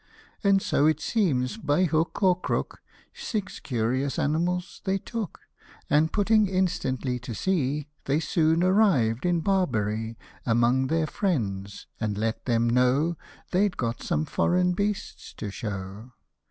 And so it seems, by hook or crook, Six curious animals they took, And putting instantly to sea, They soon arrived in Barbary Among their friends, and let them know They'd got some foreign beasts to show.